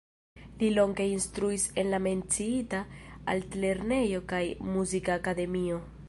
Li longe instruis en la menciita altlernejo kaj Muzikakademio.